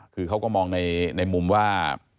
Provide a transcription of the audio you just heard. คือเขาก็มองในมุมว่า